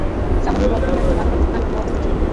সামান্য গল্প নিয়ে এতটা বাড়াবাড়ির আমি কোনো অর্থ দেখি না।